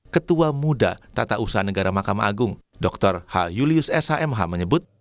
ketua muda tata usaha negara makam agung dr h julius s hamha menyebut